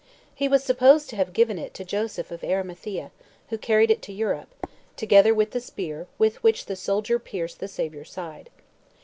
He was supposed to have given it to Joseph of Arimathea, who carried it to Europe, together with the spear with which the soldier pierced the Saviour's side.